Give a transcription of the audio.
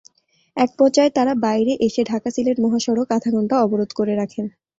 একপর্যায়ে তাঁরা বাইরে এসে ঢাকা-সিলেট মহাসড়ক আধা ঘণ্টা অবরোধ করে রাখেন।